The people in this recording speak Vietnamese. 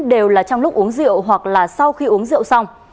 đều là trong lúc uống rượu hoặc là sau khi uống rượu xong